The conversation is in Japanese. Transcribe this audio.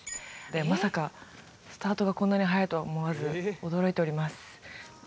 まさかスタートがこんなに早いとは思わず驚いております